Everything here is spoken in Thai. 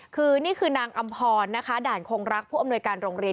คือนี่คือนางอำพรนะคะด่านคงรักผู้อำนวยการโรงเรียน